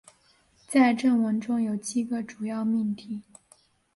在正文中有七个主要命题。